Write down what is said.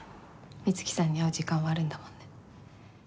光希さんに会う時間はあるんだもんね。